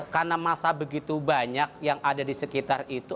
karena masa begitu banyak yang ada di sekitar itu